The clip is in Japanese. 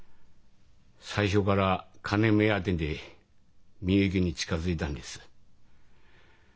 最初から金目当てで美幸に近づいたんです。